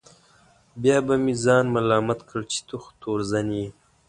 بیا به مې ځان ملامت کړ چې ته خو تورزن یې.